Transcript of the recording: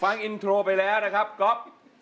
ฟังอินโทรไปแล้วนะครับก๊อฟ